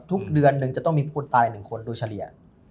ทุกเดือนนึงจะต้องมีคนตายหนึ่งคนโดยเฉลี่ย